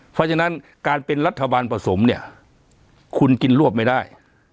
เพราะฉะนั้นการเป็นรัฐบาลผสมเนี่ยคุณกินรวบไม่ได้